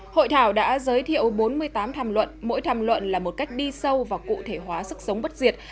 hội thảo đã giới thiệu bốn mươi tám tham luận mỗi tham luận là một cách đi sâu và cụ thể hóa sức sống bất diệt